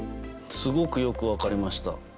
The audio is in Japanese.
すごくよく分かりました。